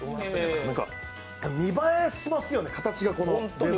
なんか、見栄えしますよね、形が。